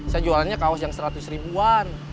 saya jualannya kaos yang seratus ribuan